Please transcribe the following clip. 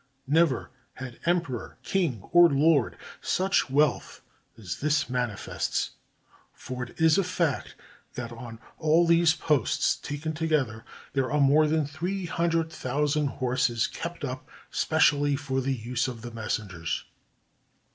Never had emperor, king, or lord such wealth as this manifests! For it is a fact that on all these posts taken together there are more than three hundred thousand horses kept up, specially for the use of the messengers.